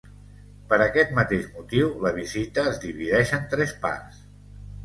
Per aquest mateix motiu la visita es divideix en tres parts.